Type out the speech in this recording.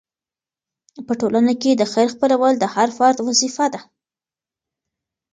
په ټولنه کې د خیر خپرول د هر فرد وظیفه ده.